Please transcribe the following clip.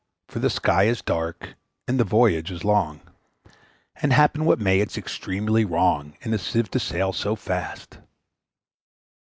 For the sky is dark, and the voyage is long, And happen what may, it's extremely wrong In a Sieve to sail so fast!'